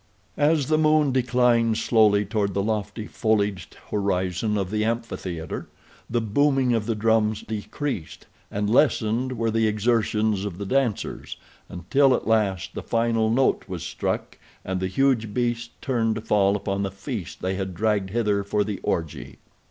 As the moon declined slowly toward the lofty, foliaged horizon of the amphitheater the booming of the drum decreased and lessened were the exertions of the dancers, until, at last, the final note was struck and the huge beasts turned to fall upon the feast they had dragged hither for the orgy.